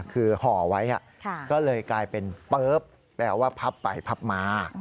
คือห่อไว้ก็เลยกลายเป็นเปิ๊บแปลว่าพับไปพับมา